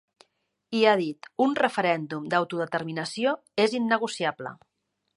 I ha dit: Un referèndum d’autodeterminació és innegociable.